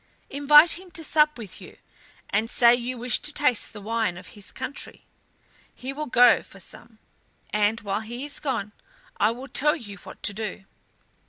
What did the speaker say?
Invite him to sup with you, and say you wish to taste the wine of his country. He will go for some, and while he is gone I will tell you what to do."